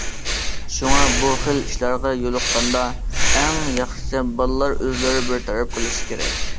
شۇڭا، بۇ خىل ئىشلارغا يولۇققاندا، ئەڭ ياخشىسى بالىلار ئۆزلىرى بىر تەرەپ قىلىشى كېرەك.